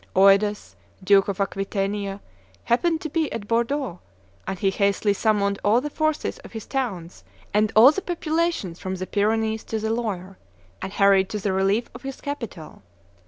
Eudes, Duke of Aquitania, happened to be at Bordeaux, and he hastily summoned all the forces of his towns and all the populations from the Pyrenees to the Loire, and hurried to the relief of his capital.